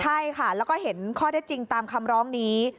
ใช่ค่ะแล้วก็เห็นข้อได้จริงตามคำร้องนี้